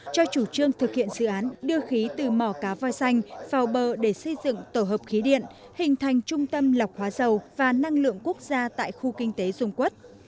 cho chủ trương thực hiện dự án đưa khí từ mỏ cá voi xanh vào bờ để xây dựng tổ hợp khí điện hình thành trung tâm lọc hóa dầu và năng lượng quốc gia tại khu kinh tế dung quốc